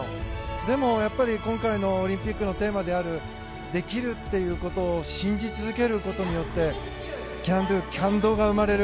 でもやっぱり、今回のオリンピックのテーマである「できる」ということを信じ続けることによって「ＣＡＮＤＯ」感動が生まれる。